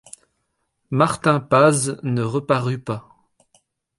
Martin Paz ne reparut pas.